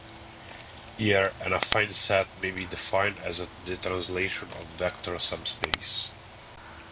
Here, an "affine set" may be defined as the translation of a vector subspace.